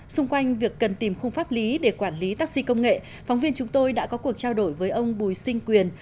xung quanh việc cần tìm khung pháp lý để quản lý taxi công nghệ phóng viên chúng tôi đã có cuộc trao đổi với ông bùi sinh quyền